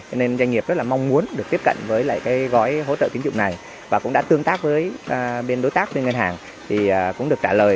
cho nên doanh nghiệp rất là mong muốn được tiếp cận với lại cái gói hỗ trợ tính dụng này và cũng đã tương tác với bên đối tác bên ngân hàng